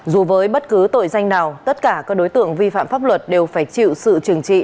dù với bất cứ tội danh nào tất cả các đối tượng vi phạm pháp luật đều phải chịu sự trừng trị